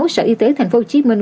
sở y tế thành phố hồ chí minh